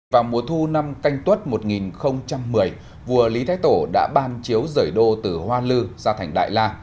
vào mùa thu năm canh tuất một nghìn một mươi vua lý thái tổ đã ban chiếu rời đô từ hoa lư ra thành đại la